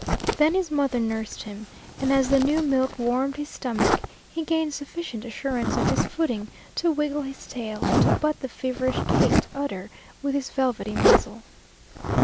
Then his mother nursed him, and as the new milk warmed his stomach he gained sufficient assurance of his footing to wiggle his tail and to butt the feverish caked udder with his velvety muzzle.